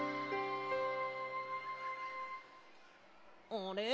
あれ？